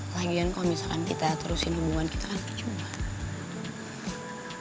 lagian kalau misalkan kita terusin hubungan kita kan percuma